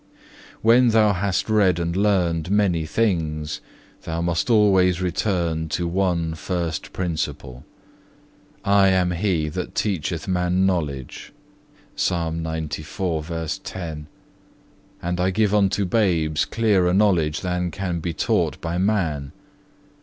2. "When thou hast read and learned many things, thou must always return to one first principle. I am He that teacheth man knowledge,(2) and I give unto babes clearer knowledge than can be taught by man.